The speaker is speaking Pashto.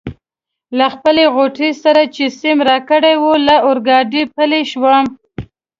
له خپلې غوټې سره چي سیم راکړې وه له اورګاډي پلی شوم.